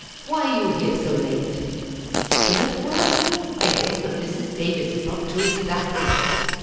why are you here so late? Still at work; I hope that Mrs. Davis is not too exacting!"